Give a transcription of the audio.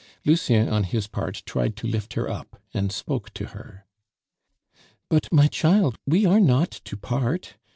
Lucien, on his part, tried to lift her up, and spoke to her. "But, my child, we are not to part.